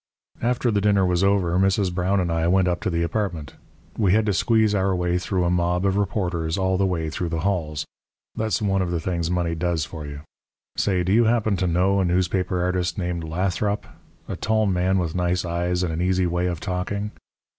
"After the dinner was over Mrs. Brown and I went up to the apartment. We had to squeeze our way through a mob of reporters all the way through the halls. That's one of the things money does for you. Say, do you happen to know a newspaper artist named Lathrop a tall man with nice eyes and an easy way of talking?